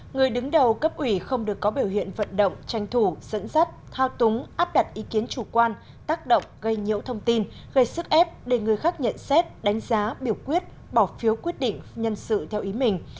người đứng đầu cấp ủy không được có biểu hiện vận động tranh thủ dẫn dắt thao túng áp đặt ý kiến chủ quan tác động gây nhiễu thông tin gây sức ép để người khác nhận xét đánh giá biểu quyết bỏ phiếu quyết định nhân sự theo ý mình